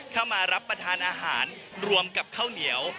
เข้ามารับประทานอาหารรวมกับข้าวเหนียว